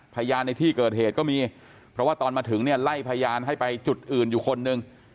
ในที่เกิดเหตุก็มีเพราะว่าตอนมาถึงเนี่ยไล่พยานให้ไปจุดอื่นอยู่คนหนึ่ง